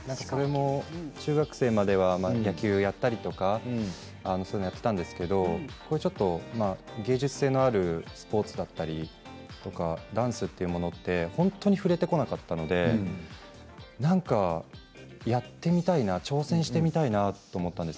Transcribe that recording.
中学生までは野球をやったりとかそういうことをやっていたんですけれど芸術性のあるスポーツだったりダンスというものは本当に触れてこなかったのでやってみたいな挑戦してみたいなと思ったんです。